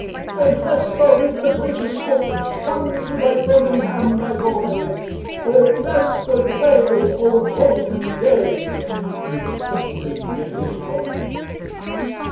"And hast thou writ the greatest book? Come to thy birmingham, my boy! Oh, beresford way! Oh, holman day!" He kiplinged in his joy.